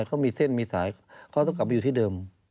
เขามีเส้นมีสายเขาต้องกลับไปอยู่ที่เดิม